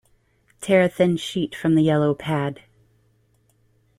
Tear a thin sheet from the yellow pad.